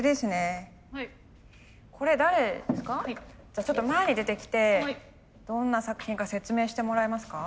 じゃあちょっと前に出てきてどんな作品か説明してもらえますか。